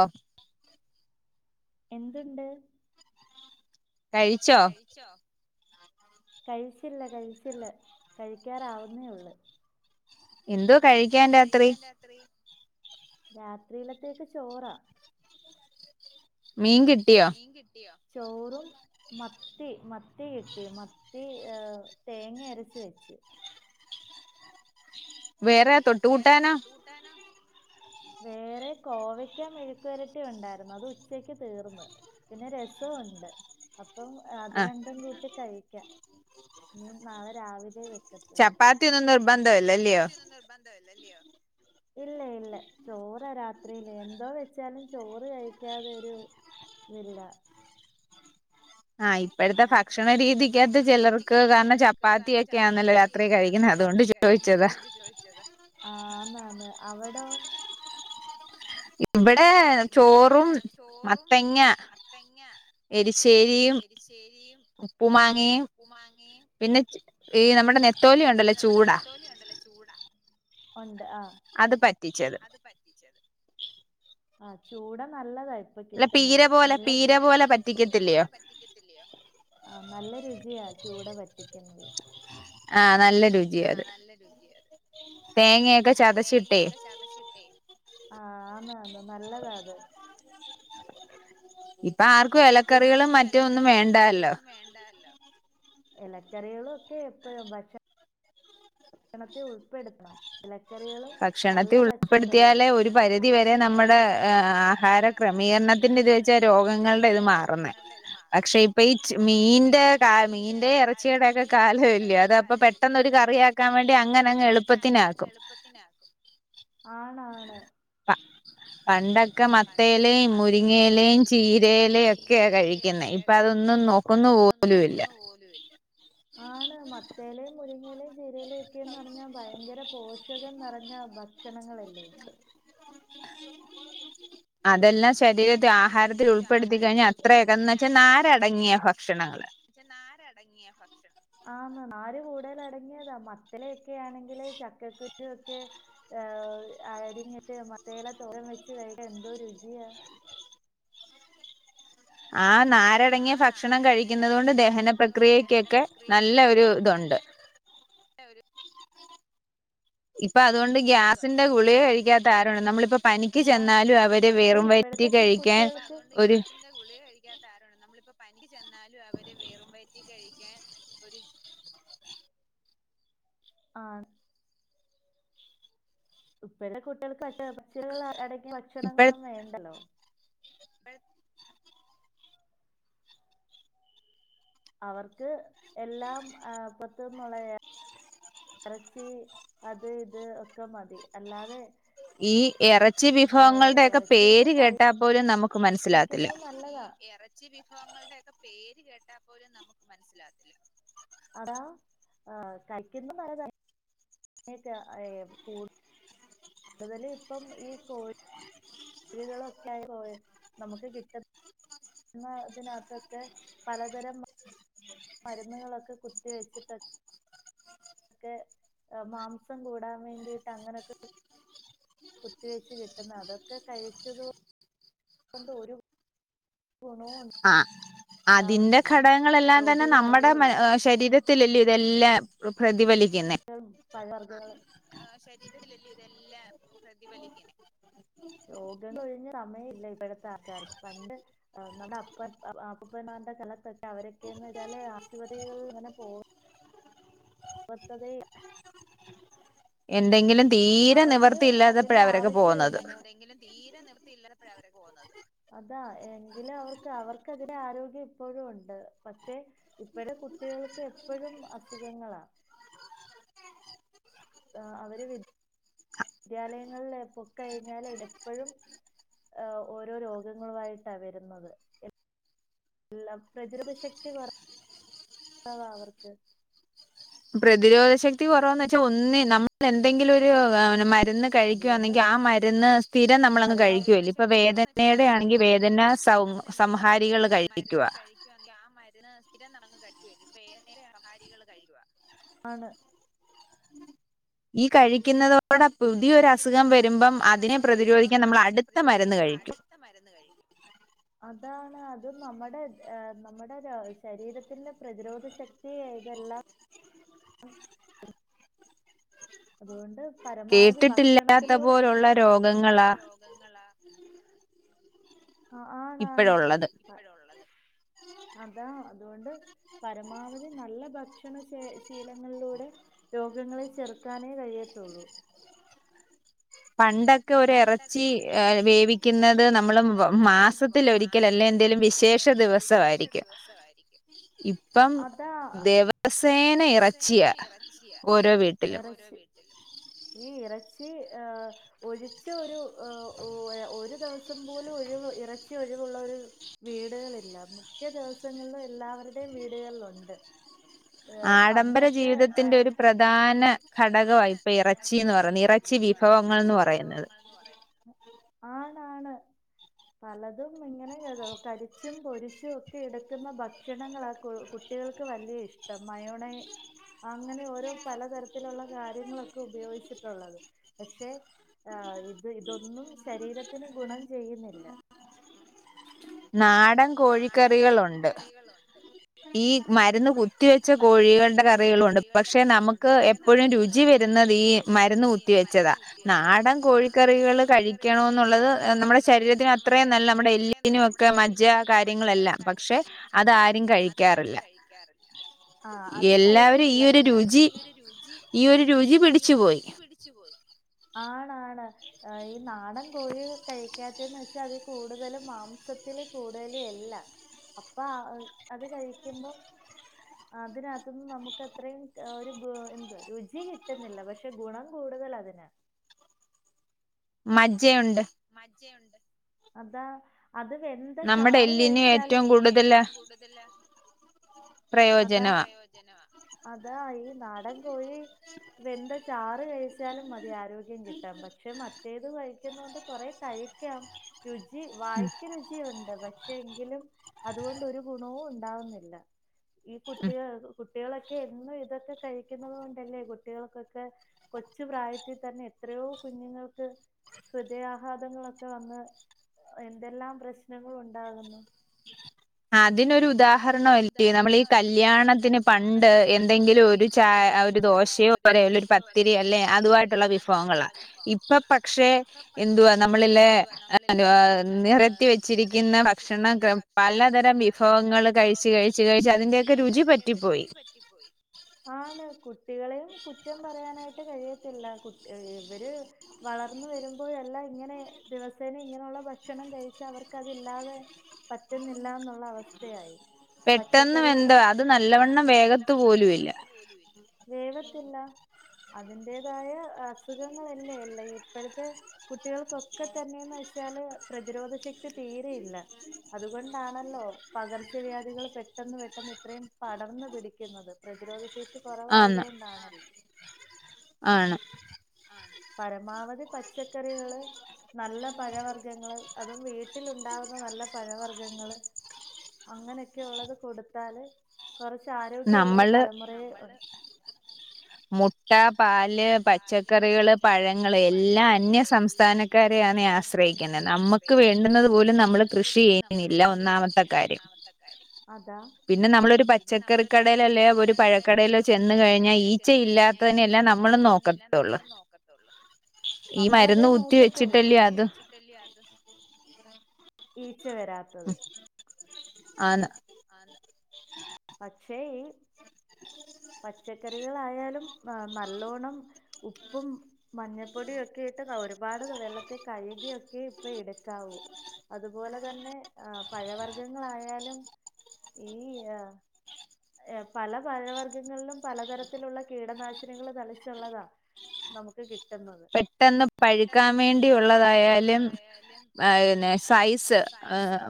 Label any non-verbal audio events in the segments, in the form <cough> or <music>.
ഓഹ്. എന്തുണ്ട്. കഴിച്ചോ കഴിച്ചില്ല കഴിച്ചില്ല കഴിക്കാറാവുന്നേ ഒള്ള്. എന്തോ. ന്തോ കഴിക്ക്യാൻ രാത്രി രാത്രിയിലത്തേക്ക് ചോറാ. മീൻ കിട്ടിയോ ചോറും. മത്തി മത്തി കിട്ടി മത്തി ഏഹ് തേങ്ങ അരച്ച് വെച്ച്. വേറെ. വേറെ തൊട്ടുകൂട്ടാനോ. വേറെ കോവക്ക്യ മെഴുക്കുവരറ്റി ഉണ്ടായിരുന്നു അത് ഉച്ചയ്ക്ക് തീർന്ന്. പിന്നെ രസം ഉണ്ട്. അപ്പം അത് രണ്ടും കൂട്ടി കഴിക്ക ഇനി നാളെ രാവിലെ വെക്കത്തുള്ളൂ. പ്പാത്ത്യൊന്നു നിർബന്ധ ചപ്പാത്തി ഒന്നും നിർബന്ധമല്ല അല്ലിയോ. ഇല്ല ഇല്ല ചോറാ രാത്രിയില് എന്തോ വെച്ചാലും ചോറ് കഴിക്ക്യാതൊരു. തില്ല. ആഹ് ഇപ്പഴത്തെ ഭക്ഷണ രീതിക്കാത്ത് ചെലർക്ക് കാരണം ചപ്പാത്തി ഒക്കെയാന്നല്ലോ രാത്രി. കഴിക്ക്യുന്ന അതുകൊണ്ട് ചോദിച്ചതാ ആഹ് മാമ് അവടോ. ഇവിടെ ചോറും മത്തങ്ങ. എരിശ്ശേരിയും ഉപ്പു മാങ്ങയും. ഉപ്പുമാങ്ങയും പിന്നെ ചീ ക് നമ്മടെ നെത്തോലി ഉണ്ടല്ലോ. ചൂട ഒണ്ട് ആഹ്. അത് പറ്റിച്ചത് ആഹ് ചൂട നല്ലതാ ഇപ്പൊ കിട്ടുന്നത് നല്ല ചൂ ആഹ് നല്ല രുചിയാ ചൂട പറ്റിക്കുന്നത് ആഹ് നല്ല രുചിയാത് തേങ്ങയൊക്കെ ചതച്ചിട്ടേ ആന്നാന്നു നല്ലതാ അത് ഇപ്പൊ ആർക്കും എലക്കറികളും മറ്റും ഒന്നും വേണ്ടാല്ലോ വേണ്ടാല്ലോ എലക്കറികളും ഒക്കെ എപ്പഴും ഭക്ഷ ണത്തി ഉൾപ്പെടുത്തണം എലക്കറികളും നല്ല പച്ചക്കറികളും ൻ്റെ ഇത് കഴിച്ചാ രോഗങ്ങളുടെ ഇത് മാറുന്നെ പക്ഷെ ഇപ്പൊ ഈ ച്ച് മീന്റെ കാ മീൻ്റേം ഇറച്ചിടേമൊക്കെ കാലമല്യോ അതാ അപ്പൊ പെട്ടെന്നൊരു കറിയാക്ക ട്ടെന്നൊരു കറിയാക്കാൻ വേണ്ടി അങ്ങനങ്ങ് എളുപ്പത്തിനാക്കും. അ പണ്ടൊക്കെ മത്തേലയും മുരിങ്ങേലയും ചീരേലയും ഒക്കെയാ കഴിക്കുന്നേ ഇപ്പ അതൊന്നും നോ ഇപ്പം അതൊന്നും നോക്കുന്നു പോലുമില്ല ആണ് മത്തേലയും മുരിങ്ങേലയും ചീരേലയും ഒക്കെയെന്ന് പറഞ്ഞാൽ ഭയങ്കര പോഷ ഷകം നിറഞ്ഞ ഭക്ഷണങ്ങളല്ലേ അതെല്ലാം ശരീരത്തി ആഹാരത്തിൽ ഉൾപ്പെടുത്തി കഴിഞ്ഞാ അത്രയൊക്കെ എന്ന്വച്ചാൽ നാരടങ്ങിയ ഭ ക്ഷണങ്ങള് എന്ന്വച്ചാ നാരടങ്ങിയ ഭക്ഷണം ആന്ന് നാര് കൂടുതലടങ്ങിയതാ മത്തിലയൊക്കെയാണെങ്കില് ചക്കക്കുരു ഒക്കെ അരിഞ്ഞിട്ട് മത്തേല തോരൻ വെച്ച് കഴിക്കാൻ എന്തോ രുചിയാ ആ നാ രടങ്ങിയ ഭക്ഷണം കഴിക്കുന്നത് കൊണ്ട് ദഹന പ്രക്രിയക്കൊക്കെ നല്ല ഒരു ഇതുണ്ട് ഇപ്പൊ അതുകൊണ്ട് ഗ്യാസിന്റെ ഗുളിക കഴിക്കാത്ത ആരുണ്ട് നമ്മളിപ്പ പനിക്ക് ചെന്നാലും അവര് വെറും വയ ഇപ്പഴത്തെ കുട്ടികൾക്ക് ഗുളിക കഴിക്കാത്ത ആരുണ്ട് നമ്മളിപ്പം പനിക്ക് ചെന്നാലും അവര് വെറും വയറ്റി കഴിക്കാൻ ആഹ് ഇപ്പഴത്തെ കുട്ടികൾക്കൊക്കെ പച്ചിലകൾ അടങ്ങിയ ഭക്ഷണമൊന്നും വേണ്ടല്ലോ അവർക്ക് എല്ലാം അ പുറത്തുന്നുള്ള എറച്ചി അത് ഇത് ഒക്കെ മതി അല്ലാതെ ഈ എറച്ചി വിഭവങ്ങളുടെയൊക്കെ പേര് കേട്ടാൽ പോലും നമുക്ക് ക്കുന്നത് നല്ലതാ അതാ കയ്ക്കുന്ന മരുന്നാ <unintelligible> കൂടു കൂടുതൽ ഇപ്പം ഈ കോഴി ഴികളൊക്കെ നമുക്ക് കിട്ട ന്നതിനാത്തൊക്കെ പലതരം മരുന്നുകളൊക്കെ കുത്തിവെച്ചിട്ട് ക്കെ മാംസം കൂടാൻ വേണ്ടിയിട്ട് അങ്ങനൊക്കെ കുത്തിവെച്ച് കിട്ടുന്ന അതൊക്കെ കഴിച്ചതോണ്ട് ഒരു ഗുണവു ആഹ് അതിന്റെ ഘടകങ്ങളെല്ലാം തന്നെ നമ്മുടെ മ ശരീരത്തിലല്യോ ഇതെല്ലാം പ്രതിഫലിക്കുന്നെ. പഴവർഗങ്ങള് രോഗങ്ങളൊഴിഞ്ഞ് സമയം ഇല്ല ഇപ്പോഴത്തെ ആൾക്കാർക്ക് പണ്ട് നമ്മുടെ അപ്പൻ അപ്പൂപ്പന്മാര്ടെ കാലത്തൊക്കെ അവരൊക്കെയന്ന് വെച്ചാല് ആശുപത്രികളിൽ ഇങ്ങനെ പോക പോവത്തതേല്ല എന്തെങ്കിലും തീ അവർക്ക് അതിന്റെ ആവശ്യംഇല്ല എന്തങ്കിലും തീരെ നിവർതി ഇല്ലയ്പ്പളാ അവർ പോവുന്നത്. അതാ എങ്കിലും അവർക്ക് അവർക്കെതിരെ ആരോഗ്യം ഇപ്പോഴും ഉണ്ട് പക്ഷേ. ഇപ്പഴ് കുട്ടികൾക്ക് എപ്പോഴും അസുഖങ്ങളാ ആ അവര് വി ദ്യാലയങ്ങളിൽ പൊക്കെ കഴിഞ്ഞാല് എപ്പോഴും. ഹെ ഓരോ രോഗങ്ങളുമായിട്ടാ വരുന്നത്. എല്ലാം പ്രചരമ ശക്തി കുറഞ്ഞതാ അവർക്ക്. പ്രതിരോധ ശക്തി കുറവന്ന് വെച്ചാൽ ഒന്ന് നമ്മൾ എന്തെങ്കിലും ഒരു മരുന്ന്. കഴിക്കുകവാണെങ്കിൽ ആ മരുന്ന് സ്ഥിരം നമ്മളങ്ങ് കഴിക്കല്ലെ ഇപ്പൊ വേദനയുടെ ആണെങ്കിൽ വേദന സൗ സംഹാരികൾ കഴിപ്പിക്കുക. ആ മരുന്ന് സ്ഥിരം നമങ്ങ് കഴുവല്ലെ ഇപ്പൊ ഏയ്ത് നോരവും സംഹാരികൾ കഴിക്കുവാ ആണ്. ഈ കഴിക്കുന്നതോ? അതോടെ പുതിയൊരു അസുഖം വരുമ്പം അതിനെ പ്രതിരോധിക്കാൻ നമ്മൾ അടുത്ത മരുന്ന് കഴിക്കും. അടുത്ത മരുന്ന് കഴിക്കും. <unintelligible> അതാണ് അത് നമ്മുടെ നമ്മുടെ ശരീരത്തിന്റെ പ്രതിരോധ ശക്തിയെ ഇതെല്ലാം. അതുകൊണ്ട് പരമാവധി ഭക്ഷണത്തിലൂടെ കേട്ടിട്ട് ഇല്ലാത്ത പോലുള്ള രോഗങ്ങളാ ആഹ് ആണാണ്ഇപ്പൊഴുള്ളത് അതാ അതുകൊണ്ട്. പരമാവധി നല്ല ഭക്ഷണ ശ ശീലങ്ങളിലൂടെ. രോഗങ്ങളെ ചെറുക്കാനേ കഴിയത്തുള്ളൂ. പണ്ടൊക്കെ ഒരു ഇറച്ചി ഏ വേവിക്കുന്നത് നമ്മൾ മാസത്തിൽ ഒരി മാസത്തിൽ ഒരിക്കൽ അല്ലേ എന്തെലും വിശേഷ ദിവസയിരിക്കും. അതാ ദിവസേനെ ഇറച്ചിയ. ഇറച്ചി ഓരോ വീട്ടിലും ഈ ഇറച്ചി ഹെ. ഒഴിച്ച ഒരു ഒരു ദിവസം പോലും ഒഴിവ് ഇറച്ചി ഒഴിവുള്ള ഒരു വീടുകളില്ല മിക്ക ദിവസങ്ങളിലും എല്ലാവരുടെയും വീടുകളിലുണ്ട്. ഏ പണ്ടൊക്കെ ആടമ്പര ജീവിതത്തിന്റെ ഒരു പ്രധാന ഘടകമായിപ്പോയി ഇറ ച്ചി ന്ന് പറഞ്ഞത് ഇറച്ചി വിഭവങ്ങൾന്ന് പറയുന്നത് ആണ് ആണ്. പലതും ഇങ്ങനെ കരിച്ചും പൊരിച്ചും ഒക്കെ എടുക്കുന്ന ഭക്ഷണങ്ങള ആ കു കു കുട്ടികൾക്ക് വലിയ ഇഷ്ടം മയോണ അങ്ങനെ ഓരോ പലതരത്തിലുള്ള കാര്യങ്ങളൊക്കെ ഉപയോഗിച്ചിട്ടുള്ളത് പക്ഷെ. ആഹ് ഇത് ഇതൊന്നും ശരീരത്തിന് ഗുണം ചെയ്യുന്നില്ല. നാടൻ നാടൻ കോഴിക്കറികളുണ്ട്. ഈ മരുന്ന് കു കുത്തിവെച്ച കോഴികളുടെ കറികളുംണ്ട് പക്ഷെ നമുക്ക് എപ്പോഴും രുചി വരുന്നുന്നത് ഈ മരുന്ന് കുത്തിവെച്ചതാ നാടൻ കോഴിക്കറികൾ കഴിക്കണം എന്നുള്ളത് നമ്മുടെ ശരീരത്തിന് അ നമ്മുടെ ശരീരത്തിന് അത്ര ഇതിനൊക്കെ മജ്ജ കാര്യങ്ങളെല്ലാം പക്ഷെ അതാരും കഴിക്കാറില്ല. കഴിക്കാറില്ല. ആഹ് അത് കഴിക്കത്തില്ല എല്ലാവരും ഈ ഒരു രുചി ഈ ഒരു രുചി പിടി ച്ച് പോയി ആണാണ് ഈ നാടൻ കോഴി കഴിക്കാത്തേന്ന് വെച്ചാ അത് കൂടുതലും മാംസത്തില് കൂടുതലും എല്ലാ അപ്പാ അത് കഴിക്കുമ്പം അതിനകത്തൂന്നും നമുക്ക് അത്രയും ഒരു എന്ത രുചി കിട്ടുന്നില്ല പക്ഷെ ഗുണം കൂടുതല് അതിനാ മജ്ജയുണ്ട് മജ്ജയുണ്ട് അതാ അത് വെന്താചാറ് കഴിച്ചാലും നമുക്ക് എല്ലിന് ഏറ്റവും കൂടുതല് അതാ പ്രയോചന അതാ ഈ നാടൻ കോഴി വെന്തചാറ് കഴിച്ചാലും മതി ആരോഗ്യം കിട്ടാൻ പക്ഷെ മറ്റേത് കഴിക്കുന്നോണ്ട് കൊറേ കഴിക്കാം രുചി രുചി വായിക്ക്‌ രുചിയുണ്ട് പക്ഷെ എങ്കിലും അതുകൊണ്ട് ഒരു ഗുണവും ഉണ്ടാവുന്നില്ല ഈ കുട്ടികൾ കുട്ടികളൊക്കെ എന്നും ഇതൊക്കെ കഴിക്കുന്നത് കൊണ്ടല്ലേ കുട്ടികൾക്കൊക്കെ കൊച്ചു പ്രായത്തിൽ തന്നെ എത്രയോ കുഞ്ഞുങ്ങൾക്ക് ഹൃദയാഹാതങ്ങളൊക്കെ വന്ന് എന്തെല്ലാം പ്രശ്നങ്ങളുണ്ടാകുന്നു അതിനൊരു ഉദാഹരണല്ലേ നമ്മളീ കല്യാണത്തിന് പണ്ട് എന്തെങ്കിലും ഒരു ചാ ഒരു ദോശയോ ല്ലാ ഒരു പത്തിരി അല്ലെ അതുവായിട്ടുള്ള വിഭവങ്ങളാ ഇപ്പൊ പക്ഷെ എന്തുവാ നമ്മളില്ലെ നിരത്തിവെച്ചിരിക്കുന്ന ഭക്ഷണം പല ഇത്തരം വിഭവങ്ങൾ കഴിച്ച് കഴിച്ച് കഴിച്ച് അതിന്റെയൊക്കെ രുചി പറ്റിപ്പോയി പറ്റിപ്പോയി ആണ് കുട്ടികളെയും കുറ്റം പറയാനായി് കഴിയത്തില്ല കുട്ടി ഇവര് വളർന്ന വരുമ്പോഴെല്ലാ ഇങ്ങനെ ദിവസേന ഇങ്ങനെയുള്ള ഭക്ഷണം കഴിച്ചാവർക്ക് അതില്ലാതെ പറ്റുന്നില്ലാന്നുള്ള അവസ്ഥയായി പച്ചക്കറികളും പെട്ടെന്ന് വെന്തോ അത് നല്ലവണ്ണം വേഗത്ത്പോലും ഇല്ല വേഗത്തില്ല അതിന്റേതായ അസുഖങ്ങളല്ലേള്ളേ ഇപ്പോഴത്തെ കുട്ടികൾക്കൊക്കെ തന്നെയെന്ന് വെച്ചാല് പ്രതിരോധ ശക്തി തീരെയില്ല അതുകൊണ്ടാണല്ലോ പകർച്ചവ്യാധികൾ പെ പെട്ടെന്ന് പെട്ടെന്ന് ഇത്രയും പടർന്ന് പിടിക്കുന്നത് പ്രതിരോധ ശേഷി കുറവായത് കൊണ്ടാണല്ലോ ആണ് ആണ് പരമാവധി പച്ചക്കറികള് നല്ല പഴവർഗ്ഗങ്ങൾ അതും വീട്ടിലുണ്ടാവുന്ന നല്ല പഴവർഗ്ഗങ്ങള് അങ്ങനെയൊക്കെ ഉള്ളത് കൊടുത്താല് കൊറച്ച് ആരോഗ്യോള്ളാരു തലമുറയെ മുട്ടാ പാല് പച്ചക്ക ക്കറികൾ പഴങ്ങള് എല്ലാം അന്യസംസ്ഥാനക്കാരെയാണ് ആശ്രയിക്കുന്നത് നമക്ക് നമ്മക്ക് വേണ്ടുന്നത് പോലും നമ്മൾ കൃഷി ചെയ്യുന്നില്ല ഒന്നാമത്തെ കാര്യം അതാ പിന്നെ നമ്മളൊരു പച്ചക്കറിക്കടയിലല്ലേ ഒരു പഴക്കടയിലോ ചെന്ന് കഴിഞ്ഞാൽ ഈഈ ഉച്ച ഇല്ലാത്തതിനെയെല്ലാം നമ്മളും നോക്കണ്ടുള്ളൂ നമ്മള് നോക്കണ്ടുള്ളൂ നമ്മളതേ നോക്കത്തുള്ളൂ ഈച്ച വരാത്തത് ആന്ന് ആന്ന് പക്ഷേ ഈ പച്ചക്കറികളായാലും നല്ലോണ്ണം ഉപ്പും മഞ്ഞപ്പൊടിയൊക്കെ ഇട്ട് ഒരുപാട് വെള്ളത്തിൽ കഴുകിയൊക്കെ ഇപ്പെടുക്കാവൂ അതുപോലെ തന്നെ ആ പഴവർഗങ്ങളായാലും ഈ ആ പല പഴവർഗങ്ങളിലും പലതരത്തിലുള്ള കീടനാശിനികൾ നിലിച്ചുള്ളതാ നമുക്ക് കിട്ടുന്നത് പെട്ടെന്ന് പഴിക്കാൻ വേണ്ടിയുള്ളതായാലും ആ സൈസ്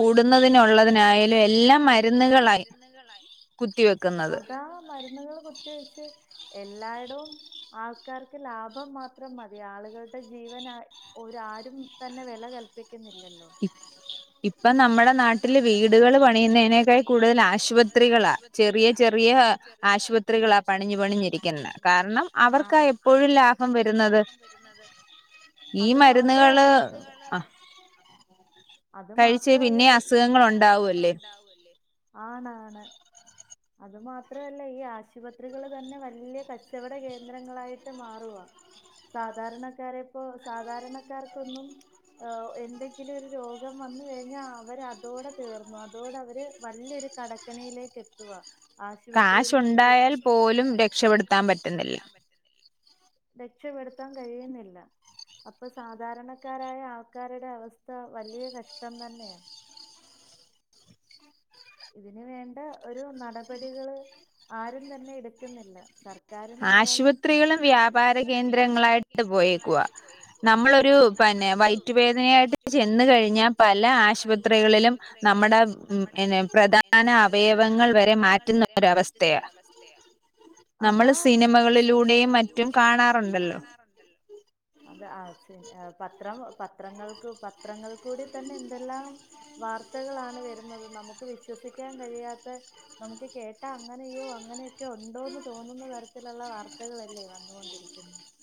വലിപ്പം കൂടുന്നതിനുള്ളതിനായാലും എല്ലാം മര് മരുന്നുകളായി കുത്തിര അതാ മരുന്നുകൾ കുത്തിവെച്ച് എല്ലായിടവും ആൾക്കാർക്ക് ലാഭം മാത്രം മതി ആളുകളുടെ ജീവൻ ഒ ആരും തന്നെ വില കൽപിക്കുന്നില്ലല്ലോ ഇപ്പൊ നമ്മുടെ നാട്ടില് വീടുകൾ പണിയുന്നതിനേക്കാൾ കൂടുതൽ ആശുപത്രികളാ ചെറിയ ചെറ ചെറിയ ആശുപത്രികളാ പണിഞ്ഞു പണിഞ്ഞിരിക്കുന്നത് കാരണം അവർക്ക് എപ്പോഴും പ്പോഴും ലാഭം വരുന്നത് അ മരുന്നുക അത് മാത്രല്ല പിന്നെ അസുഖങ്ങ ഉണ്ടാവല്ലേ ആണാണ് അതു മാത്രല്ല ഈ ആശുപത്രികള് തന്നെ വലിയ കച്ചവട കേന്ദ്രങ്ങളായിട്ട് മാറവാ സാധാരണക്കാരെപ്പോ സാധാരണക്കാർക്കൊന്നും എന്തെങ്കിലും ഒരു രോഗം വന്ന കഴിഞ്ഞാൽ അവർ അതോടെ തീർന്നു അതോട അവര് വലിയൊരു കട കക്കണിയിലേക്ക് എത്തുക ആശുപത്രിയിൽ നമ്മ ക്യാഷ് ഉണ്ടായാൽ പോലും രക്ഷപ്പെത്താൻ പറ്റ രക്ഷപ്പെെടുത്താൻ കഴിയുന്നില്ല അപ്പൊ സാധാരണക്കാരായ ആൾക്കാരുടെ അവസ്ഥ വലിയ കഷ്ടം തന്നെയാണ് ഇതിന് വേണ്ട ഒരു നടപടികള് ആരും തന്നെ എടുക്കുന്നില്ല സർക്കാരിനായാലും ആശുപത്രികളും വ്യാപാര കേന്ദ്രങ്ങളായിട്ട് പോയി നമ്മളൊരു പിന്നെ വയറ്റുവേദനയായിട്ട് ചെന്ന കഴിഞ്ഞാൽ പല ആശുപത്രികളിലും നമ്മുടെ ഉ പിന്നെ പ്രധാന അവയവങ്ങൾ വരെ മാറ്റുന്ന ഒരവസ്ഥയ നമ്മൾ സിനിമകളിലൂടെയും മറ്റും കാണാറുണ്ടല്ലോ ഉണ്ടല്ലോ അത് പത്രം പത്രങ്ങൾക്ക് പത്രങ്ങൾ കൂടി തന്നെ എന്തെല്ലാം വാർത്തകളാണ് വരുന്നത് നമുക്ക് വിശ്വസിക്കാൻ കഴിയാത്ത നമുക്ക് കേട്ടാ അങ്ങനെയോ അങ്ങനെയൊക്കെ ഉണ്ടോന്ന് തോന്നുന്ന തരത്തിലുള്ള വാർത്തകളല്ലേ വന്നുകൊണ്ടിരിക്കും ക്കന്നെ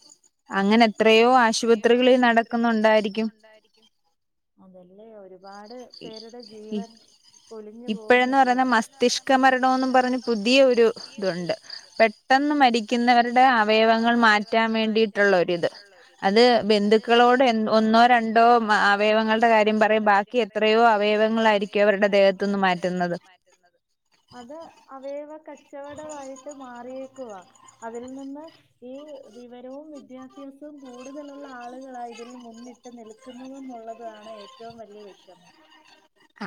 അങ്ങനെ അങ്ങനെ എത്രയോ ആശുപത്രികൾ നടക്കുന്നുണ്ടായിരിക്കും ഒരുപാട് പേരുടെ ജീവൻ പൊലിഞ്ഞു പോവുന്നില്ലേ ഇപ്പോഴന്ന് പറഞ്ഞ മസ്തിഷ്ക മരണമും പറഞ്ഞഞ് പുതിയ ഒരു ഇതുണ്ട് പെട്ടെന്ന് മരിക്കുന്നവരുടെ അവയവങ്ങൾ മാറ്റാൻ വേണ്ടിയിട്ടുള്ള ഒരിത് അത് ബന്ധുക്കളോട് ഒന്നോ രണ്ടോ അവയവങ്ങളുടെ കാര്യം പറയും ബാക്കി എത്രയോ അവയവങ്ങളായിരിക്കും അവരുടെ ദേഹത്തു നിന്ന് മാറ്റുന്നത് അത് അവയവ കച്ചവടമായിട്ട് മാറി യേക്കുവാ. അതിൽ നിന്ന് ഈ വിവരവും വിദ്യ വിദ്യാഭ്യാസം കൂടുതലുള്ള ആളുകളാണ് ഇതിൽ മുന്നിട്ട് നിൽക്കുന്നതെന്നുള്ളതാണ് ഏറ്റവും വലിയ വിഷമം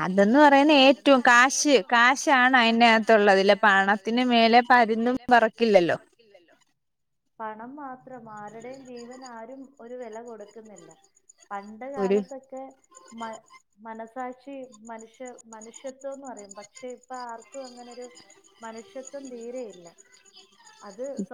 അതന്നു പറെ ഏറ്റവും കാശ് കാശ് ആാണ് അതിനകത്തുള്ളത്ല്ല പണത്തിന് മേലെ പ പരിന്തും പറ ക്കില്ലല്ലോ ഇല്ലല്ലോ പണം മാത്രം ആരുടെയും ജീവൻ ആരും ഒരു വില കൊടുക്കുന്നില്ല പണ്ട് കാലത്തൊക്കെ മ മനസാക്ഷി മനുഷ്യർ മനുഷ്യത്വംന്ന് പറയും പക്ഷെ ഇപ്പൊ ആർക്കും അങ്ങനൊരു മനുഷ്യത്വം തീരെയില്ല അത്